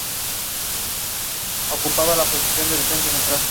La serie se llamaba Soul Train.